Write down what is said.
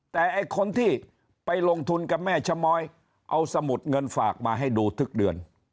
แต่ไอ้คนที่ไปลงทุนกับแม่ชะม้อยเอาสมุดเงินฝากมาให้ดูทุกเดือน